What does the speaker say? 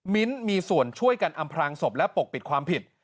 มีส่วนช่วยกันอำพลางศพและปกปิดความผิด